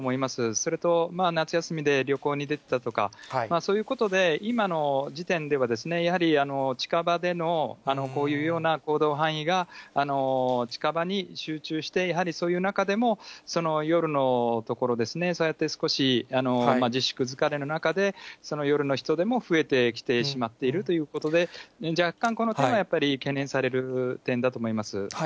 それと夏休みで旅行に出てたとか、そういうことで、今の時点では、やはり近場でのこういうような行動範囲が近場に集中して、やはりそういう中でも、夜のところですね、そうやって少し自粛疲れの中で、夜の人出も増えてきてしまっているということで、若干この点は懸念される点だと思います。